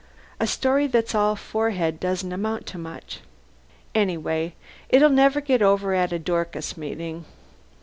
A story that's all forehead doesn't amount to much. Anyway, it'll never get over at a Dorcas meeting.